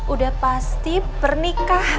udah pasti pernikahan itu akan berakhir yaa